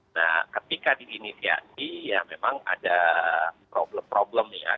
nah ketika diinisiasi ya memang ada problem problem nih ya